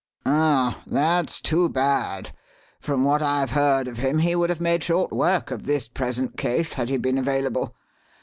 "Ah, that's too bad. From what I have heard of him he would have made short work of this present case had he been available.